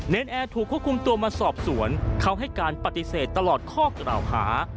นแอร์ถูกควบคุมตัวมาสอบสวนเขาให้การปฏิเสธตลอดข้อกล่าวหา